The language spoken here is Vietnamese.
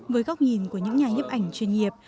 với góc nhìn của những nhà nhếp ảnh chuyên nghiệp